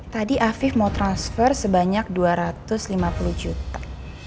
tadi afif mau transfer sebanyak dua ratus lima puluh juta